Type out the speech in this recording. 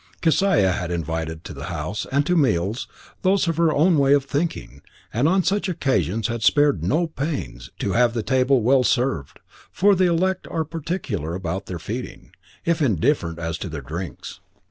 Kesiah had invited to the house and to meals, those of her own way of thinking, and on such occasions had spared no pains to have the table well served, for the elect are particular about their feeding, if indifferent as to their drinks.